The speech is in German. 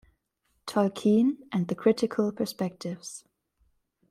Tolkien and the Critical Perspectives.